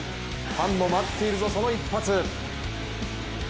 ファンも待っているぞ、その一発。